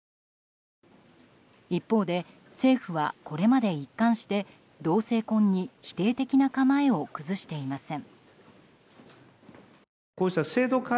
一方で、政府はこれまで一貫して同性婚に否定的な構えを崩していません。